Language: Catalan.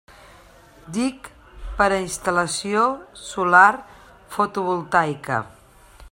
DIC per a instal·lació solar fotovoltaica.